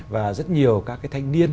và rất nhiều các thanh niên